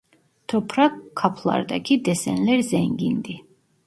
Toprak kaplardaki desenler zengindi.